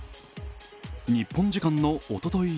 日本時間のおととい